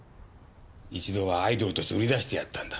一度はアイドルとして売り出してやったんだ。